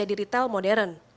nah ini adalah hal hal modern